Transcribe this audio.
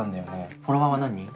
フォロワーは何人？